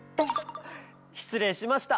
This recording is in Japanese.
しつれいしました。